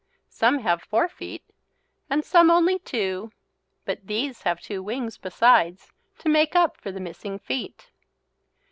Some have four feet and some only two, but these have two wings besides to make up for the missing feet.